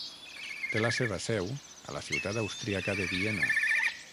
Té la seva seu a la ciutat austríaca de Viena.